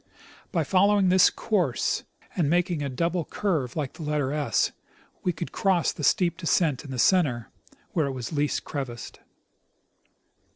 By following this course, and making a double curve like the letter $, we could cross the steep descent in the center, where it was least crevassed.